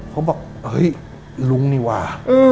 ผมบอกเฮ้ยลุงนี่ว่า